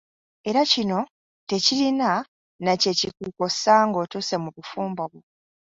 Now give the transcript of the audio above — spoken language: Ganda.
Era kino tekirina nakyekikukosa ng'otuuse mu bufumbo bwo.